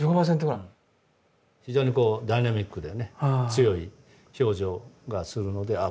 非常にダイナミックでね強い表情がするのでああ